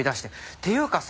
っていうかさ